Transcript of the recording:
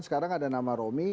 sekarang ada nama romy